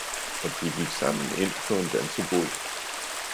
Og de gik sammen ind på en dansebod.